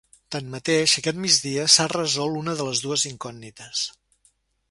Tanmateix, aquest migdia s’ha resolt una de les dues incògnites.